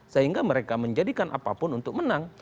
sehingga mereka menjadikan apapun untuk menang